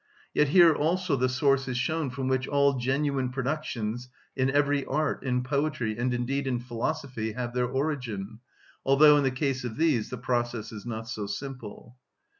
Yet here also the source is shown from which all genuine productions in every art, in poetry, and indeed in philosophy, have their origin, although in the case of these the process is not so simple.